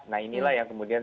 nah inilah yang kemudian